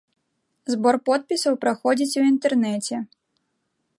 Збор подпісаў праходзіць у інтэрнэце.